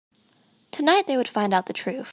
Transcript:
Tonight, they would find out the truth.